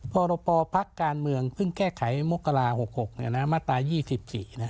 ปรปรภักดิ์การเมืองเพิ่งแก้ไขโมกรา๖๖มาตรา๒๔นะครับ